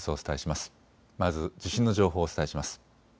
まず地震の情報をお伝えします。